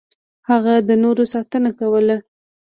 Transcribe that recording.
هغه د نورو ساتنه کوله.